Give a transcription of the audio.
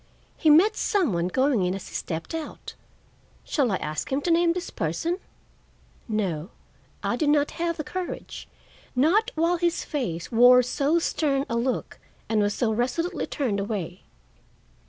"He met some one going in as he stepped out. Shall I ask him to name this person?" No, I did not have the courage; not while his face wore so stern a look and was so resolutely turned away.